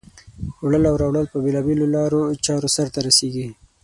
وړل او راوړل په بېلا بېلو لارو چارو سرته رسیږي.